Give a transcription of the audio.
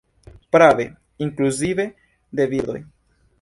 Prave, inkluzive de birdoj.